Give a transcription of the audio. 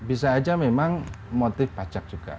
bisa aja memang motif pajak juga